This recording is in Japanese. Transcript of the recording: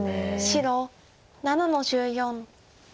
白７の十四。